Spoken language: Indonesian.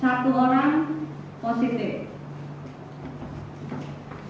satu orang positif